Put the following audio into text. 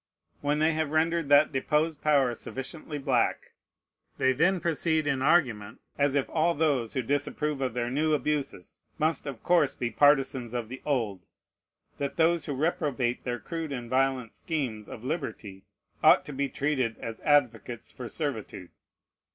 When they have rendered that deposed power sufficiently black, they then proceed in argument, as if all those who disapprove of their new abuses must of course be partisans of the old, that those who reprobate their crude and violent schemes of liberty ought to be treated as advocates for servitude.